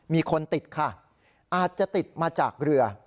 มีคนติดค่ะอาจจะติดมาจากเรือ